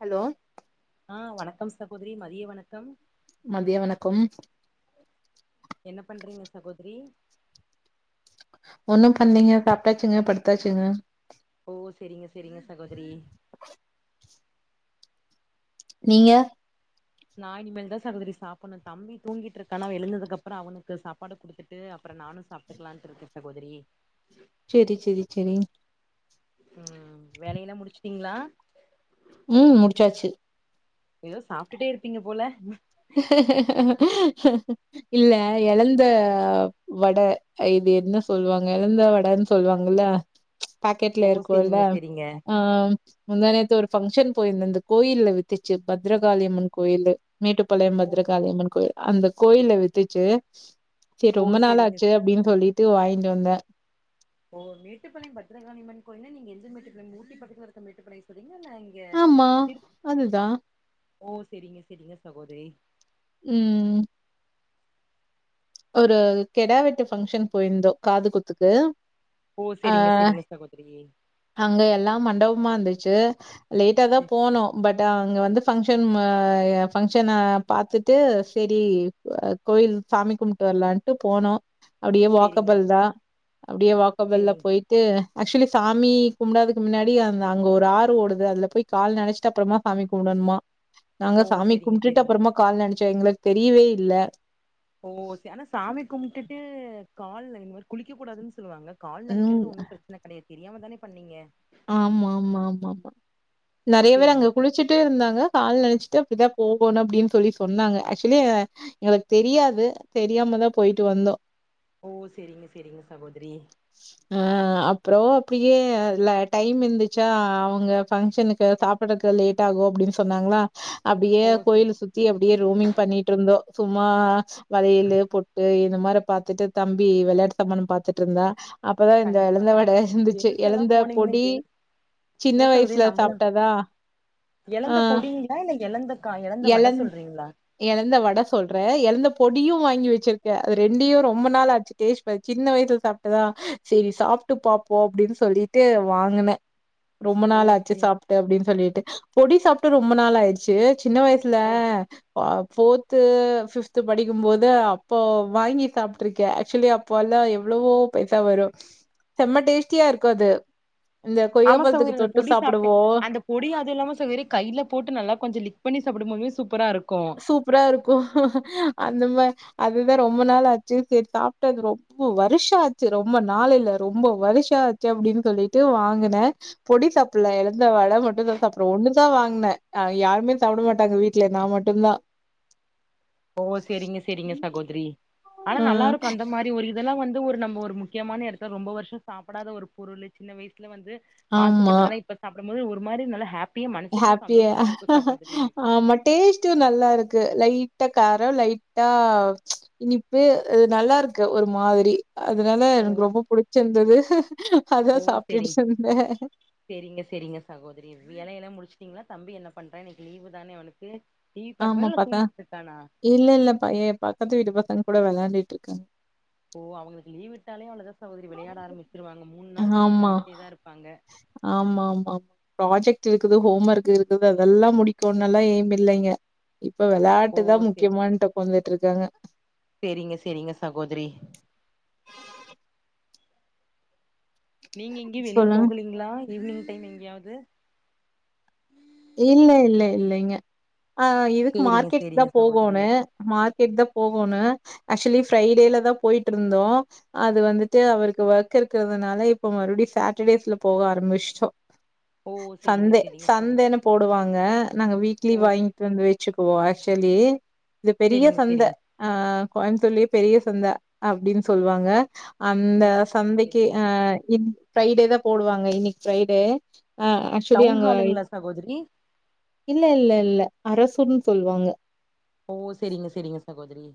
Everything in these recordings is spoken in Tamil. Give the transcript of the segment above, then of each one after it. ஹலோ ஆ வணக்கம் சகோதரி மதிய வணக்கம் மதிய வணக்கோம் என்ன பண்றீங்க சகோதிரி ஒண்ணு பண்லைங்க சாப்டாச்சுங்க படுதாச்சுங்க ஓ செரிங்க செரிங்க சகோதரி நீங்க நா இனமேல் தா சகோதரி சாப்பண்ணு தம்பி தூங்கிட்டுருக்கானா அவே எழுந்ததுக்கப்ரோ அவனுக்கு சாப்பாடு குடுத்துட்டு அப்ரோ நானு சாப் டுக்களான்ட்ருக்க சகோதிரி சேரி சேரி சேரி ம் வேலையெல்லா முடிச்சுட்டீங்ளா ம் முடிச்சாச்சு எதோ சாப்டுட்டே இருப்பீங்க போல இல்ல எழந்த வட இது என்ன சொல்லுவாங்க எழந்த வடன்னு சொல்லுவாங்கல்ல பாக்கெட்ல ஓ இருக்குல செரிங்க செரிங்க ஆ முந்தா நேத்து ஒரு பங்ஷன் போயிருந்தந்த கோயில்ல வித்துச்சு பத்ரகாளியம்மன் கோயில மேட்டு பாளையம் ஓ பத்ரகாளியம்மன் கோயில் அந்த கோயில வித்துச்சு சேரி ஓ ரொம்ப செரிங்க நாளாச்சு அப்டின்னு சொல்லிட்டு வாய்ன்டு வந்தே ஓ மேட்டுப்பாளையம் பத்ரகாளியம்மன் கோவில நீங்க எந்த மேட்டு ஊட்டி பக்கத்துல இருக்குற மேட்டுப்பாளைய சொல்றீங்களா இல்ல இங்க ஆமா சிரி அதுதா ஓ சரிங்க சரிங்க சகோதரி ம் ஒரு கெடா வெட்டு ஃபங்க்ஷன் போயிருந்தோ காது குத்துக்கு ஓ ஆ செரிங்க செரிங்க சகோதரி அங்க எல்லா மண்டபமா இருந்துச்சு லேட்டா தா போனோ பட் அங்க வந்து ஃபங்க்ஷன் மா ஃபங்க்ஷன பாத்துட்டு செரி அ கோயில் சாமி கும் டு வர்லான்ட்டு போனோ அப்டியே செரிங்க வாக்கபல் தா அப்டியே வாக்கபல்ல செரிங்க போயி ட்டு ஆக்சுவலி சாமி கும்புடாதுக்கு முன்னாடி அந்த அங்க ஒரு ஆறு ஓடுது அதுல போய் கால் நெனச்சிட்டு அப்புறமா சாமி கும்புடணுமா நாங்க ஓ சாமி செரிங்க கும்டுட்டு செரிங்க அப்புறமா கால் நெனச்சோ எங்களுக்கு தெரியவே இல்ல ஓ செ ஆனா சாமி கும்ட்டுட்டு கால் இந்த மாரி குளிக்க கூடாதுன்னு சொல்லுவாங்க கால் ம். நெனைக்கிறது ஒன்னு பிரச்சன கெடையா தெரியாம தானே பண்ணீங்க ஆமா ஆமா ஆமா ஆ நெறைய பேர் அங்க சேரிங்க சே குளிச்சு ட்டு இருந்தாங்க கால் நெனச்சிட்டு அப்டிதா போகணு அப்டின்னு சொல்லி சொன்னாங்க ஆக்சுவலி எங்களுக்கு தெரியாது தெரியாமதா போயிட்டு வந்தோ ஓ செரிங்க செரிங்க சகோதரி ஆ அப்புறோ அப்டியே லா டைம் இருந்துச்சா அவங்க ஃபங்க்ஷனுக்கு சாப்புடுறக்கு லேட் ஆகு அப்டின்னு சொன்னாங்களா அப்டியே ஓ சே கோயில்ல சுத்தி அப்டியே ரோமிங் பண்ணிட்டு இருந்தோ சும்மா வளையலு பொட்டு இந்த மாரி பாத்துட்டு தம்பி வெளையாட்டு சாமாண பாத்துட்டு இருந்தா அப்பதா இந்த கண்டிப்பா எலந்த வட கண்டிப் இருந்துச்சு ஜென்ஸ் எல்லா எலந்த போனீங்கன்னா பொடி ஜென் சின்ன இல்ல சகோதரி வயசுல நம்பள சாப்ட்டதா ஆ எலந்த பொடிங்களா இல்ல எலந்த கா எலந்த வட எலந் சொல்றீங்களா எலந்த வட சொல்றே எலந்த பொடியு வாங்கி வெச்சிருக்கே அது ரெண்டையு ரொம்ப நாள் ஆச்சு டேஸ்ட் ப சின்ன வயசுல சாப் டதா சேரி சாப்ட்டு பாப்போ அப்டின்னு சொல்லி ட்டு வாங்குனே ரொம்ப ஓ நாள் ஆச்சு சரி சாப் டு அப்டின்னு சொல்லிட்டு பொடி சாப்ட்டு ரொம்ப நாள் ஆயிடுச்சு சின்ன வயசுல ஓ ஆ ஃபோர்த்து ஃபிஃப்த் படிக்கும் போது அப்போ வாங்கி சாப்ட்டுருக்கே ஆக்சுலி அப் போல எவ்வளவோ பைசா வரு செம்ம டேஸ்ட்டியா இருக்கு அது இந்த ஆமா சகோதரி கொய்யாப்பழத்துக்கு அந்த தொட்டு பொடி சாப்ட்டு சாப்டுவோ அந்த பொடி அது இல்லாம சொ வெறி கையில் போட்டு நல்லா கொஞ்சோ லிக் பண்ணி சாப்டமோமே சூப்பரா இருக்கு சூப்பரா இருக்கு அந்த மா அதுதா ரொம்ப நாள் ஆச்சு செரி சாப்ட்டு வந்துருவோ ஒ வருஷோ ஆச்சு ரொம்போ நாள் இல்ல ரொம்போ வருஷோ ஆச்சு அப்டின்னு சொல்லிட்டு வாங்குனே பொடி சாப்புட்ல எலுந்த வட மட்டு தா சாப்புடுவே ஒன்னு தா வாங்குனே யாருமே சாப்புட மாட்டாங்க வீட்ல நா ம ட்டு தா ஓ சரிங்க சரிங்க சகோதரி ஆனா நல்லா ம் இருக்கு அந்த மாரி ஒரு அதெல்லா வந்து ஒரு நம்ம ஒரு முக்கியமான எடத்துல ரொம்ப வருஷோ சாப்புடாத ஒரு பொருள் சின்ன வயசுல வந்து ஆமா ஆசப்பட்டதுல்லா இப்ப சாப்புடும் போது ஒரு மாரி நல்ல ஹாப் ஹாப்பியா ஆமா டேஸ்ட்டு நல்லா இருக்கு லைட்டா கார லைட்டா இனிப்பு ம் அது நல்லா இருக்கு ஒரு மாதிரி அதுனால ஓ எனக்கு ரொம்ப புடிச்சிருந்தது அதா ஓ செரிங் சாப்ட்டுட்டுச்சந்தே செரிங்க செரிங்க சகோதரி வேல எல்லா முடிச்ட்டீங்களா தம்பி என்ன பண்றா இன்னைக்கு லீவு தானே அவனுக்கு டிவி ஆமா பாக்குறானா இல்ல பாத்தா தூங்கிட்டு இருக்கானா இல்ல இல்ல பைய பக்கத்து வீட்டு பசங்க கூட விளையான்டிடுட்ருக்கா இப்போ அவுங்களுக்கு லீவு விட்டாலே அவ்ளோ தா சகோதரி விளையாட ஆரம்மிச்சிருவாங்க மூண் நாள் வரைக்கு விளையாண்டுட்டே தா இருப்பாங்க ஆமாம்மா ப்ராஜெக்ட் இருக்குது ஹோம் ஒர்க் இருக்குது அதெல்லா முடிக்கனுலா ஏம் இல்லைங்க இப்ப ஓ வெளையாட்டுதா முக்கியமானட்டு ஒக்காந்துட்ருக்காங்க சேரிங்க சேரிங்க சகோதரி நீங்க எங்கயு வெளிய சொல்லுங்க. போகலைங்ளா ஈவ்னிங் டைம் எங்கேயாவ்து இல்ல இல்ல இல்லைங்க ஆ இதுக்கு சேரிங்க மார்க்கெட்டுக்கு தா சேரிங்க சகோதரி போகோணு மார்க்கெட் தா போகோணு ஆக்சுவலி ஃப்ரை டேல தா போயிட்ருந்தோ அது வந்துட்டு அவருக்கு ஒர்க் இருக்கிறதுனால இப்ப மறுபடி சாட்டர்டேஸ்ல போக ஆரம்மிச்சுட்டோ ஓ செரிங்க சந்தே செரிங்க சகோதரி சந்தேனு போடுவாங்க நாங்க வீக்லி ஓ வாங்கிட்டு வந்து வச்சுக்குவோ ஆக்சுவலி இது பெரிய செரிங்க சந்த செரிங்க ஆ கோயம்புத்தூர்லயே பெரிய சந்த அப்டின் சொல்லுவாங்க அந்த ஓ செரிங்க சந்தைக்கு செரிங்க ஆ என் ஃப்ரைடே தா போடுவாங்க இன்னைக்கு ஃப்ரைடே ஆ ஆக் டவுன் ஹாழுங்ளா சகோதரி இல்ல இல்ல இல்ல அரசுன் சொல்லுவாங்க ஓ சேரிங்க சேரிங்க சகோதரி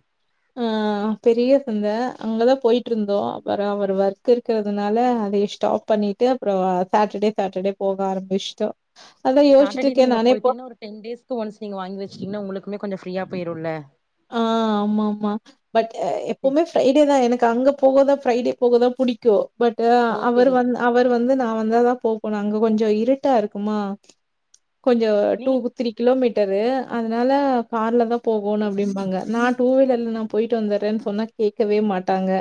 ஆ ஆ பெரிய சந்த அங்கதா போயட்ருந்தோ அப்பற அவர் ஒர்க் இருக்கிறதுனால அதையு ஸ்டாப் பண்ணிட் ட்டு அப்றோ சாட்டர்டே சாட்டர்டே போக ஆரம்மிச்ட்டோ அதா யோசகச்சுட்டு சாட்டர்டே இருக்கே நீங்க நானே இப்போ போயிட்டீங்கன்னா ஒரு டென் டேஸ்க்கு ஒன்ஸ் நீங்க வாங்கி வச்சுட்டீங்கனா உங்களுக்குமே கொஞ்ச ஃப்ரீயா போயிருல்ல ஆ ஆமாம்மா பட் அ எப்பவுமே ஃப்ரைடே தா எனக்கு அங்க போகதா ஃப்ரைடே போகதா புடிக்கு பட்டு ஓ அவரு செரி வந்தா அவரு வந்து நா வந்தாதா போகணு அங்க கொஞ்ச இருட்டா இருக்குமா கொஞ்ச டூ நீங்க குத் த்ரீ கிலோமீட்டரு அதனால கார்ல தா போகோணு அப்டின் பாங்க நா டூ வீலர்ல நா போயிட்டு வந்துறேன் சொன்னா கேக்கவே மாட்டாங்க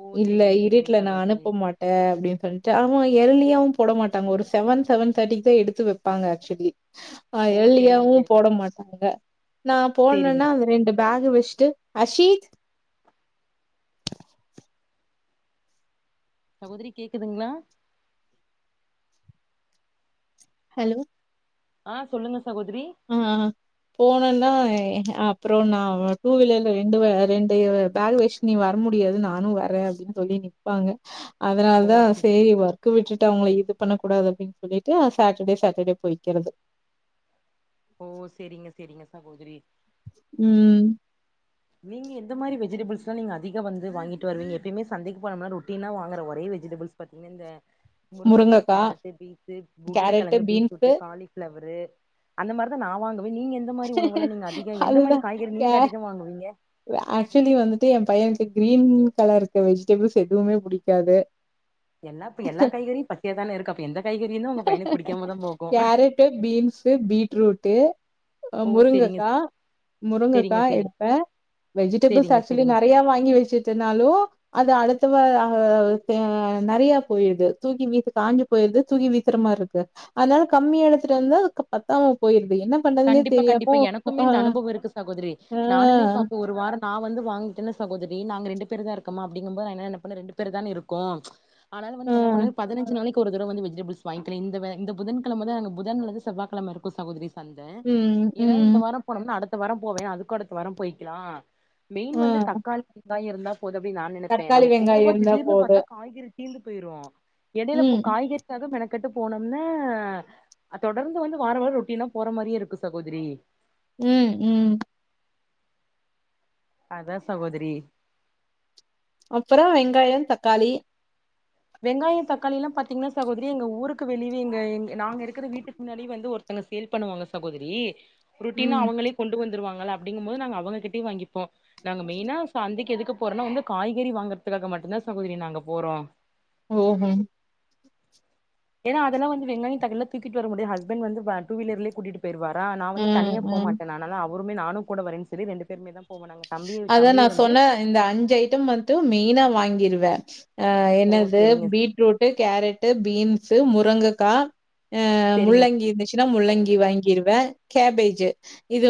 ஓ இல்ல செரிங்க செரிங்க இருட்ல நா சகோதரி அனுப்ப மாட் டே அப்டின் சொல்ட்டு அவ்ங்க எரலியாவு போட மாட்டாங்க ஒரு செவன் செவன் தேர்ட்டிக்கு தா எடுத்து வேப்பாங்க ஆக்சுவலி ஆ ஓ செரிங்க ஏர்லியாவு செரிங்க போட மாட்டாங்க நா செரிங்க போனன்னா அந்த ந்த பேக்க வச்ட்டு சகோதரி கேக்குதுங்ளா ஹலோ ஆ சொல்லுங்க சகோதரி ஆ ஆ போனோன ஏ அப்றோ நா வ டூ வீலர்ல ரெண்டு வ ரெண்டு பேக் வச்சு நீங்க வர முடியாது நானு வரே அப்டின்னு சொல்லி நிப்பாங்க அதனால ஓ தா செ சேரி வர் க்கு விட்டுட்டு அவுங்கள இது பண்ண கூடாது அப்டின் சொல்லிட்டு நா சாட்டர்டே சாட்டர்டே போய்கிறது ஓ சேரிங்க சேரிங்க சகோதரி ம் நீங்க எந்த மாரி வெஜிடபிள்ஸ்லா நீங்க அதிக வந்து வாங்கிட்டு வருவீங்க எப்பயுமே சந்தைக்கு போனம்னா ரொட்டீனா வாங்குற ஒரே வெஜிடபிள்ஸ் பாத்தீங்னா இந்த முருங்கக்கா கேரட்டு பீன்ஸு கேரட்டு, உருளக்கெழங்கு பீன்ஸு பீட்ரூட்டு காளிஃப் ஃபிளவரு அந்த மாரி தா நா வாங்கு நீங்க எந்த மாரி உணவுலா நீங்க அதிக எந்த மாரி காய்கறி நீங்க அதிக வாங்குவீங்க வ ஆக்சுவலி வந்துட்டு எ பையனுக்கு கிரீன் கலர் இருக்க வெஜிடபிள்ஸ் எதுவுமே புடிக்காது எல்லாத்து எல்லா காய்கறியு பச்சய தானே இருக்கு அப்ப எந்த காய்கறியுந்தா உங்க பையக்கு புடிக்காமத்தா போகு டு பீன்ஸு பீட்ரூட்டு அ ஓ செரிங்க முருங்கக்கா செரிங்க முருங்கக்கா செரி எடுப்பே வெஜிடபிள்ஸ் செரிங்க ஆக்சுவலி செரிங்க நெறைய வாங்கி வெச்சுட்டனாலு அது அடுத்த வ அ த நெறைய போயிடுது தூக்கி வீசு காஞ்சு போயிருது தூக்கி விசுற மாரிருக்கு அத்னால கம்மியா எடுத்துட்டு வந்து அதுக்கு பத்தாம போயிடுது என்ன பண்றதுனே கண்டிப்பா கண்டிப்பா தெரியாம எனக்குமே ஆ இந்த அனுபவு இருக்கு சகோதரி ஆ நானுமே பாப்பே ஒரு வார நா வந்து வாங்கிட்டன்னா சகோதரி நாங்க ரெண்டு பேரு தா இருக்கமா அப்டிங்கம்போத் நா என்ன என்ன பண்ண ரெண்டு பேருதானே இருக்கோம் அதனால வந்து ஆ என்ன பண்ணுவ பதினஞ்சு நாளைக் கு ஒரு தட வந்து வெஜிடபிள்ஸ் வாய்ங்கின இந்த வ இந்த புதன்கெழமதா அங்க புதன்லந்து செவ்வாக்கெழம இருக்கு சகோரி த ம் எதாது ம் இந்த வாரம் போனோம்னா அடுத்த வாரம் போவே அதுக்கு அடுத்த வாரம் போயிக்கலா மெயின் ஆ வந்து தக்காளி வெங்காய இருந்தா போது அப்டி நா நெனைப்பே தக்காளி நம்ம வெங்காயோ போவோ இருந்தா திடீர்னு போது பாத்தா காய்கறி தீந்து போயிரு எடையில இப்போ ம் காய்கறி க்காக மெனக்கெட்டு போனோம்னா அ தொடர்ந்து வந்து வார வார ரொட்டீனா போற மாரியே இருக்கு சகோதரி ம் ம் அதா சகோதரி அப்பறோ வெங்காய தக்காளி வெங்காய தக்காளில்லா பாத்தீங்கன்னா சகோதரி எங்க ஊருக்கு வெளிவே எங்க எ நாங்க இருக்கிற வீட்டுக் முன்னாடி வந்து ஒருத்தங்க சேல் பண்ணுவாங்க சகோதரி ருட்டினா ம் அவங்களே கொண்டு வந்துருவாங்கள அப்படிங்கும்போது நாங்க அவங்க கிட்டயே வாங்கிப்போ நாங்க மெயின்னா சந்தைக்கு எதுக்கு போறனா வந்து காய்கறி வாங்கறதுக்காக மட்டுந்தா சகோதரி நாங்க போறோ ஒ ஒ ஏனா அதெல்லா வந்து வெங்காய தக்காளில்லா தூக்கிட்டு வர முடியாது ஹஸ்பன் வந்து ப டூ வீலர்லே கூட்டிட்டு போய்டுவாரா நா வந்து ம் தனியா போ ம் மாட்டே நானல்லா அவருமே நானு கூட வரேன் சொல்லி ரெண்டு பேருமே தா போவோ நாங்க தம்பிய அதா நா தம்பிய வந்து சொன்ன இந்த அஞ்சு ஐட்டம் மட்டு மெயினா வாங்கிருவே அ ஓ என்னது செரிங்க பீட்ரூட்டு கேரட்டு பீன்ஸு முருங்கக்கா அ செரிங்க முள்ளங்கி இந்துச் சினா முள்ளங்கி வாங்கிருவே கேபேஜு இது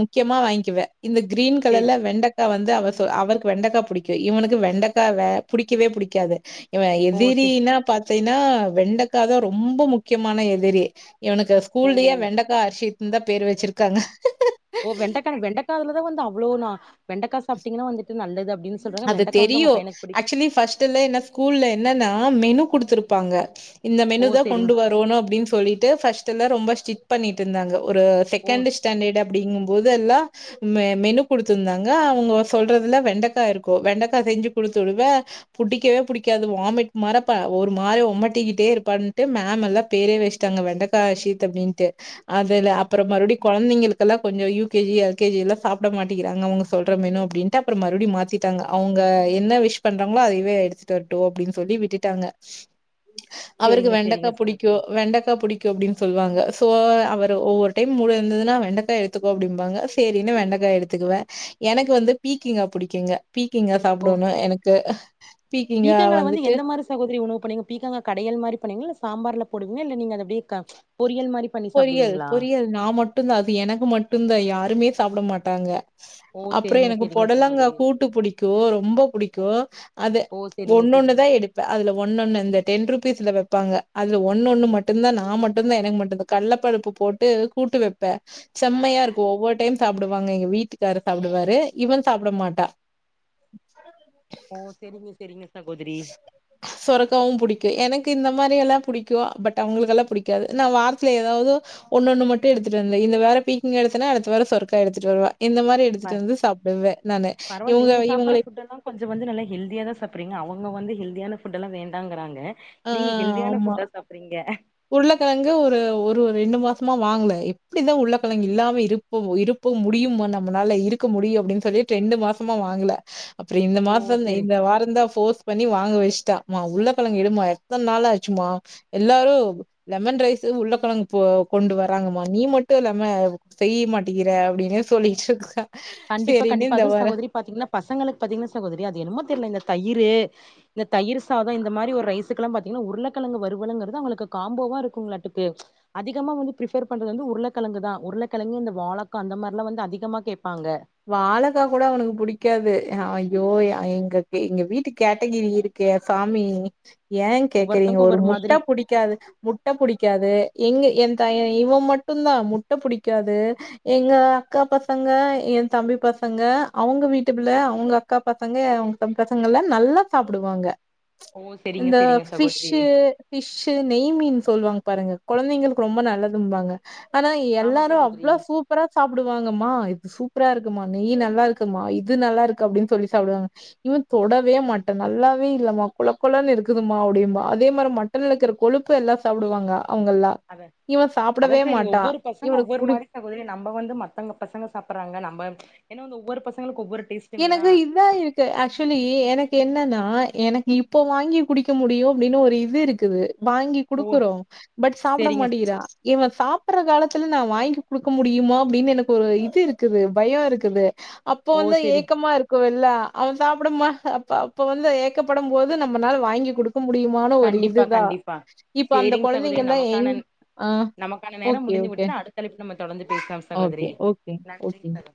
முக்கியமா வாங்க்குவ இந்த க்ரீன் கலர்ல செரி வெண்டக் கா வந்து அவ சொ அவருக்கு வெண்டக்கா புடிக்கு இவனுக்கு வெண்டக்காவே புடிக்கவே புடிக்காது இவ ஓ செ எதிரினா பாத் தீனா வெண்டக்கா தா ரொம்ப முக்கியமான எதிரி இவனுக்கு ஸ் ஓ கூல்லயே வெண்டக்கா ஹர்ஷித்ன்தா பேரு வெச்சிருக்காங்க ஒ வெண்டக்கான வெண்டக்காவுலதா வந்து அவ்ளோ நா வெண்டக்கா சாப்பிட்டீங்கன்னா வந்துட்டு நல்லது அப்டினு அது தெரியு ஆக்சுவலி ஃபஸ்ட்டல என்ன ஸ்கூல்ல என்னன்னா மெனு குடுத்துருப்பாங்க இந்த மெனு ஓ தா சேரிங் கொண்டு வரணு அப்டீன் சொல்லிட்டு ஃபஸ்டெல்லா ரொம்ப ஸ்டிட் பண்ணிட் இருந்தாங்க ஒரு ஓ செகண்டு ஸ்டாண்டடு அப்டிங்கும் போது எல்லா மெ மெனு குடுத்திருந்தாங்க அவங்க சொல்றதுல வெண்டக்கா இருக் கு வெண்டைக்கா செஞ்சு குடுத்துடுவே புடிக்கவே புடிக்காது வாமிட் மார ப ஒரு மாரி ஒமட்டிக்கிட்டே இருப்பான்ட்டு மேமெல்லாம பேரே வெஷ் டாங்க வெண்டக்கா ஹர்ஷித் அப்டின்ட்டு அதுல அப்புறம் மறுபடி கொழந்தைங்களுக்கெல்லா கொஞ்ச யூ கேஜி எல் கேஜி எல்லா சாப்ட மாட்டேங்கிறாங்க அவுங்க சொல்ற மெனு அப்டின் ட்டு அப்புறம் மறுபடி மாத்திட் டாங்க அவுங்க என்ன விஷ் பண்றாங்ளோ அதவே எடுத்துட்டு வரட்டு அப்டின் சொல்லி விட்டுட்டாங்க அவருக்கு சேரிங்க வெண்டக்கா சேரிங்க புடிக்கு சகோதரி வெண்டக்கா புடி க்கு அப்டின் சொல்வாங்க சோ அவரு ஒவ்வொரு டைம் முடுந்திதுனா வெண்டக்கா எட்த்துக்கோ அப்டிம்பாங்க சேரின்னு வெண்டக்கா எடு துக்குவே எனக்கு வந்து பீக்கிங்கா புடிக்குங்க பீக்கிங்கா ஓ சாப்டுணு எனக்கு பீக்கிங்கா வந்துட்டு சகோதிரி உணு இப்ப நீங்க பீக்கங்கா கடையல் மாரி பண்ணுவீங்ளா இல்ல சாம்பார்ல போடுவீங்க இல்ல நீங்க அத அப்டியே கா பொரியல் மாரி பண்ணி பொரியல் சாப்டுவீங்களா பொரியல் நா மட்டுதா அது எனக்கு மட்டுந்தா யாருமே சாப்ட மாட்டாங்க ஓ அப்புறோ சேரிங்க எனக்கு சேரிங்க பொடலங்கா சகோதரி கூட்டு புடிக்கு ரொம்பா ஓ புடிக்கு அது ஓ சேரிங்க சேரிங்க ஒன்னொன்னுதா எடு ப்ப அதுல ஒன்னொன்னு இந்த டென் ருபீஸ்ல வப்பாங்க அதுல ஒன்னொன்னு மட்டுந்தா நா மட்டுந்தா எனக்கு மட்டுதா கள்ளப்பருப்பு போட்டு கூட்டு வப்ப செம்மையா இருக்கு ஒவ்வொரு டைம் சாப்டுவாங்க எங்க வீட்டுக்காரு சாப்டுவாரு இவள் சாப்புட மாட்டா ஓ செரிங்க செரிங்க சகோதரி சொரக்காவு புடிக்கு எனக்கு இந்த மாரியெல்லா புடிக்கு பட் அவுங்குளுக்கெல்லா புடிக்காது நா வாரத்ல எதாவ்து ஒன்னொன்னு மட்டு எடுத்துட்டு வந்த இந்த வார பீக்கிங்கா எடுத்தனா அடுத்த வாரோ சொருக்கா எடுத்துட்டு வருவ இந்த மாரி எடுத்துட்டு பர் வந்து சாப்டுவே நானு பரவால்ல இவுங்ள நீங்க சாப்பட்ற இவுங்களே ஃபுட்டெல்லா கொஞ்சோ வந்து நல்லா ஹெல்தியாதா சாப்றீங்க அவுங்க வந்து ஹெல்தியான ஃபுட்டெலா வேண்டாங்குறாங்க நீங்க ஹெல்தியான ஃபுட்டா சாப்றீங்க உள்ளகெழங்கு ஒரு ஒரு ரெண்டு மாஸ்மா வாங்ல எப்டிதா உள்ளகெழங்கு இல்லாம இரு போ இருப்போ முடியுமா நம்மளால இருக்க முடியு அப்டின் சொல்லி ரெண்டு மாசமா வாங்குல அப்புறு இந்த ஓ மாசந் சேரி இந்த வாரந்தா ஃபோர்ஸ் பண்ணி வாங்க வச்ட்டா மா உள்ளகெழங்கு எடும்மா எத்தன் நாளாச்சுமா எல்லாரு லெமன் ரைஸு உள்ளக்கெழங்கு போ கொண்டு வராங்கமா நீ மட்டும் லெம செய்ய மாட்டேங்கிற அப்டின்னே சொல்லிட்ருக்கா கண்டிப்பா கண்டிப்பா அதூ சகோதரி பாத்தீங்ன்னா பசங்களுக் பாத்தீங்கனா சகோதரி அது என்னமோ தெரிலங்க தயிரு இந்த தயிர் சாதோ இந்த மாரி ஒரு ரைசுக்குலா பாத்தீங்ன்னா உருளக்கெழங்கு வருவலுங்கறது அவுங்களுக்கு காம்போவா இருக்குங்களாட்டுக்கு அதிகமா வந்து ப்ரிஃபர் பண்றது வந்து உருளக்கெழங்குதா உருளக்கெழங்கு இந்த வாழக்கா அந்த மார்ல்லா வந்து அதிகமா கேப் பாங்க வாழகா கூட அவனுக்கு புடிக்காது ஐயோ எங்க எங்க வீட்டு கேட்டகிரி இரு கே சாமி ஏன் கேக்குறீங்க ஒவ்வொருத்தவங்க ஒரு ஒவ்வொரு முட்ட மாதிரி புடி காது முட்ட புடிக்காது எங்க என் தய இவன் மட்டுந்தா முட்ட புடிக்காது எங்க அக்கா பசங்க என் தம்பி பசங்க அவுங்க வீட்டுபிள்ள அவுங்க அக்கா பசங்க அவ்ங் தம்பி பசங்கல்லா நல்லா சாப்டுவாங்க ஓ செரிங்க இந்த செரிங்க சகோதரி ஃபிஷ்ஷு ஃபிஷ்ஷு நெய்மீன் சொல்வாங்க பாருங்க கொழந்தைங்களுக்கு ரொம்ப நல்லதுன்பாங்க ஆனா ஆமா எல்லாரு சகோதரி அவ்ளோ சூப்பரா சாப்டுவாங்கமா இது சூ ப்ரா இருக்குமா நெய் நல்லா இருக்குமா இது நல்லா இருக்கு அப்டின் சொல்லி சாப்டுவாங்க இவன் தொடவே மாட் டா நல்லாவே இல்லமா கொழ கொழன் இருக்குதுமா அப்டின்பா அதே மாரி மட்டன் இருக்கிறுப் கொழுப்பு எல்லா சாப்டுவாங்க அவுங்கல்லா அத அதா சேரி ஒவ்வொரு பசங்க இவனுக்கு ஒவ்வொரு புடி மாரி தா கொறய நம்ம வந்து மத்தவ்ங்க பசங்க சாப்புறாங்க நம்ம என்ன வந்து ஒவ்வொரு பசங்களுக்கு ஒவ்வொரு டேஸ் எனக்கு இதா இரு க்கு ஆக்சுவலி எனக்கு என்னன்னா எனக்கு இப்போ வாங்கி குடிக்க முடியு அப்டின்னு ஒரு இது இருக்குது வாங்கி ஓ குடுக்குறோ பட் சாப்ட செரிங்க மாட்டிகிறா இவன் சாப்புற காலத்துல நா வாங்கி குடுக்க முடியுமோ அப்டின்னு எனக்கு ஒரு இது இருக்குது பயோ இருக்குது அப்போ ஓ வந்து செரி ஏக் க்கமா இருக்கு இல்ல அவ சாப்டும்மா அப்பா அப்ப வந்து ஏக்கப்படும் போது நம்மனால வாங்கி குடுக் க முடியுமான ஒரு கண்டிப்பா இதுதா கண்டிப்பா இப்ப அந்த சேரிங் சகோதரி கொழந்தைங்கல்லா ஏங் நமக்கான ஆ நமக்கான நேரம் ஓகே முடிந்து ஓகே விட்டது அடுத்த அழைப்புல நம்ம தொடர்ந்து பேசலாம் சகோதரி ஓகே ஓகே நன்றி ஓகே சகோ